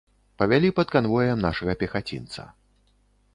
Павялі пад канвоем нашага пехацінца.